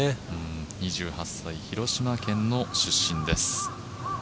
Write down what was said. ２８歳、広島県の出身です。